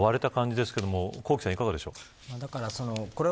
割れた感じですけれども幸星さん、いかがでしょう。